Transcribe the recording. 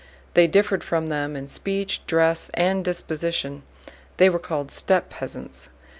They differed from them in speech, dress, and disposition. They were called steppe peasants.